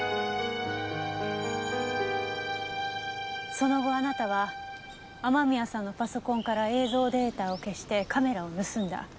その後あなたは雨宮さんのパソコンから映像データを消してカメラを盗んだ。